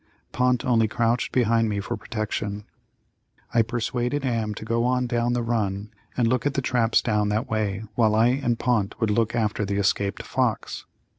Pont only crouched behind me for protection. I persuaded Am to go on down the run and look at the traps down that way while I and Pont would look after the escaped fox.